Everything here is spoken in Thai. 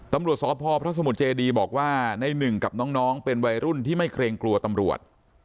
ตำรวจสพพระสมุทรเจดีบอกว่าในหนึ่งกับน้องเป็นวัยรุ่นที่ไม่เกรงกลัวตำรวจ